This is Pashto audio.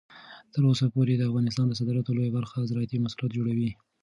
تر اوسه پورې د افغانستان د صادراتو لویه برخه زراعتي محصولات جوړوي.